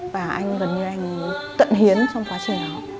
và gần như anh ấy cận hiến trong quá trình đó